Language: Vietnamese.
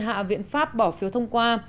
hạ viện pháp bỏ phiếu thông qua